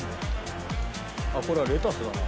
あっこれはレタスだな。